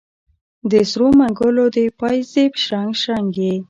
د سرو منګولو د پایزیب شرنګ، شرنګ یې